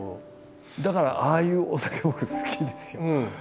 だからああいうお酒僕好きですよ。